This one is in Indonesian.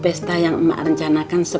besta yang emak rencanakan sepele